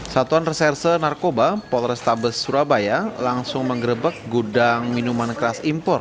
satuan reserse narkoba polrestabes surabaya langsung mengerebek gudang minuman keras impor